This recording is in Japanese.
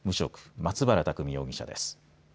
松原拓海容疑者です。